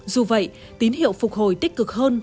dù vậy tín hiệu phục hồi tích cực hơn